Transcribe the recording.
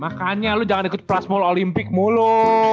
makanya lu jangan ikut prasmo olimpik mulu